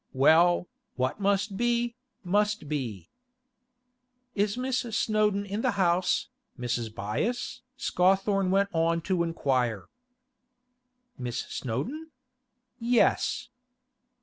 Well, what must be, must be. 'Is Miss Snowdon in the house, Mrs. Byass?' Scawthorne went on to inquire. 'Miss Snowdon? Yes.